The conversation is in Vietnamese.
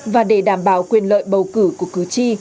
và để đảm bảo quyền lợi bầu cử của cử tri